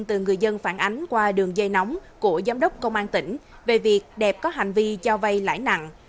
từ người dân phản ánh qua đường dây nóng của giám đốc công an tỉnh về việc đẹp có hành vi cho vay lãi nặng